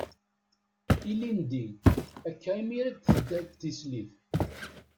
Ilindi, akka imir-a i d-tedda d tislit.